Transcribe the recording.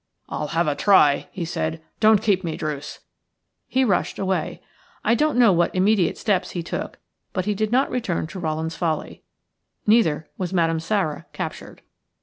"I'll have a try," he said. "Don't keep me, Druce." He rushed away. I don't know what immediate steps he took, but he did not return to Rowland's Folly. Neither was Madame Sara captured.